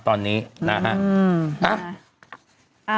ตอนนี้นะครับ